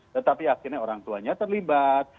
tetapi akhirnya orang tuanya terlibat